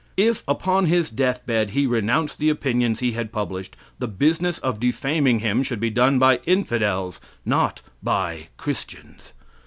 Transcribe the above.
If upon his death bed he renounced the opinions he had published, the business of defaming him should be done by infidels, not by Christians.